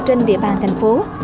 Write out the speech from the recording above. trên địa bàn thành phố